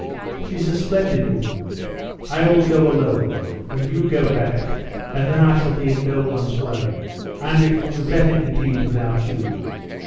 She's a splendid woman. I will go alone, when you go back, and then I shall be in no one's way. And it will be better indeed without you."